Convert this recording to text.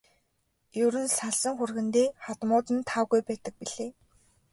Ер нь салсан хүргэндээ хадмууд нь таагүй байдаг билээ.